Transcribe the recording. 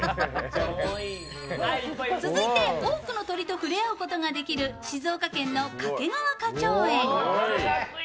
続いて多くの鳥と触れ合うことが出来る静岡県の掛川花鳥園。